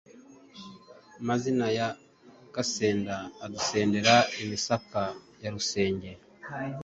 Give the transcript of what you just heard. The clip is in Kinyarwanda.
Mazina ya Gasenda, Adusendera imisaka ya Rusenge!